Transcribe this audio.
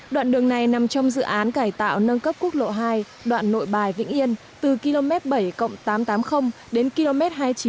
đoạn đường này nằm trong dự án cải tạo nâng cấp quốc lộ hai đoạn nội bài vĩnh yên từ km bảy tám trăm tám mươi đến km hai mươi chín